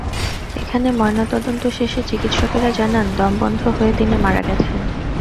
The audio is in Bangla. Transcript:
এখানে ময়নাতদন্ত শেষে চিকিৎসকেরা জানান, দম বন্ধ হয়ে তিনি মারা গেছেন।